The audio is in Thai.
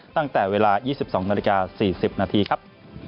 ตั้งแต่เวลา๒๒น๔๐นครับ